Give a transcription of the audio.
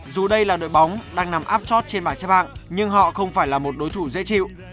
dù đây là đội bóng đang nằm áp trót trên bảng xe bạc nhưng họ không phải là một đối thủ dễ chịu